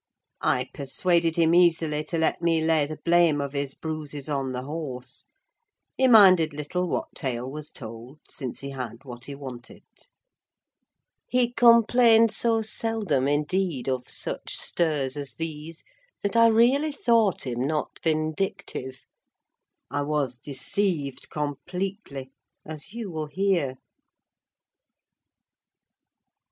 I persuaded him easily to let me lay the blame of his bruises on the horse: he minded little what tale was told since he had what he wanted. He complained so seldom, indeed, of such stirs as these, that I really thought him not vindictive: I was deceived completely, as you will hear.